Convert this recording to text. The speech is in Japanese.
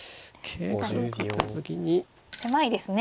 狭いですね